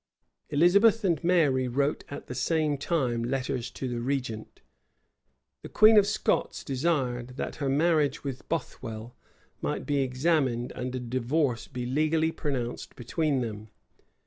Elizabeth and Mary wrote at the same time letters to the regent. The queen of Scots desired, that her marriage with Bothwell might be examined, and a divorce be legally pronounced between them.